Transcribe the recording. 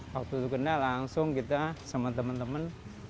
waktu itu kenda langsung kita sama teman teman